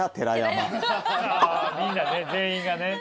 みんなね全員がね。